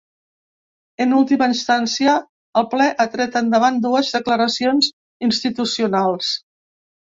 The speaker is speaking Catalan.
En última instància, el ple ha tret endavant dues declaracions institucionals.